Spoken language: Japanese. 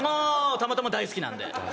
たまたま大好きなんで。